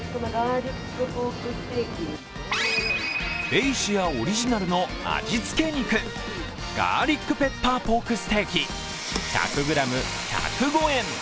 ベイシアオリジナルの味つけ肉、ガーリックペッパーポークステーキ、１００ｇ１０５円。